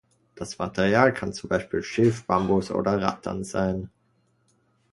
Das Material kann zum Beispiel Schilf, Bambus oder Rattan sein.